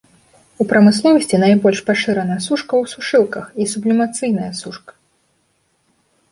У прамысловасці найбольш пашыраны сушка ў сушылках і сублімацыйная сушка.